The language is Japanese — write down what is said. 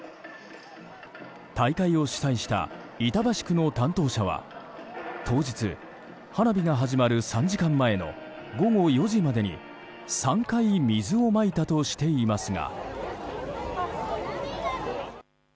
大会を主催した板橋区の担当者は当日、花火が始まる３時間前の午後４時までに３回水をまいたとしていますが。